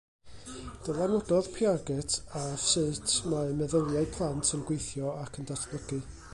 Dylanwadodd Piaget ar sut mae meddyliau plant yn gweithio ac yn datblygu.